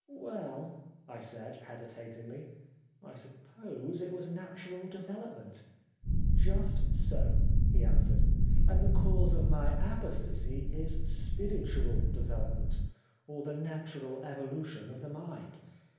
"' Well,' I said hesitatingly, ' I suppose it was natural development.' "* Just so,' he answered, ' and the cause of my apostasy is spiritual development, or the 378 The Life of Oscar Wilde natural evolution of the mind.